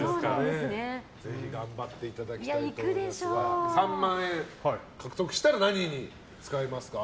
ぜひ頑張っていただきたいと思いますが３万円獲得したら何に使いますか？